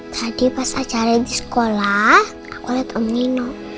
tadi pas acara di sekolah aku liat om lino